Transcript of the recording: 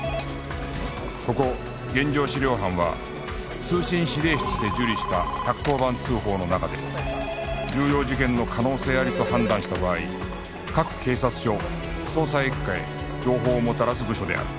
ここ現場資料班は通信指令室で受理した１１０番通報の中で重要事件の可能性ありと判断した場合各警察署捜査一課へ情報をもたらす部署である